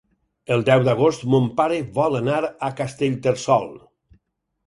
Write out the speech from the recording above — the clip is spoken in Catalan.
El deu d'agost mon pare vol anar a Castellterçol.